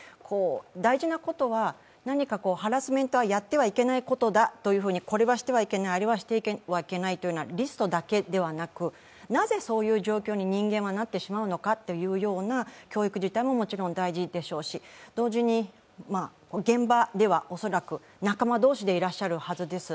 大事なことは、何かハラスメントはやってはいけないことだというようなこれはしてはいけない、あれはしてはいけないというようなリストだけではなく、なぜそういう状況に人間はなってしまうのかというような教育自体ももちろん大事でしょうし、同時に、現場ではおそらく仲間同士でいらっしゃるはずです。